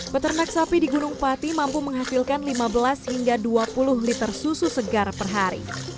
peternak sapi di gunung pati mampu menghasilkan lima belas hingga dua puluh liter susu segar per hari